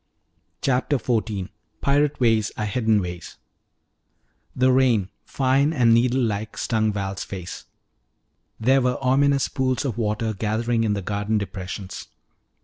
CHAPTER XIV PIRATE WAYS ARE HIDDEN WAYS The rain, fine and needle like, stung Val's face. There were ominous pools of water gathering in the garden depressions.